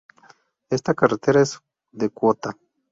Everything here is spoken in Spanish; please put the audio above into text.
Esta carretera es de cuota.